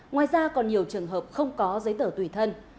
ngoài ra còn nhiều trường hợp không có giấy tờ tùy thân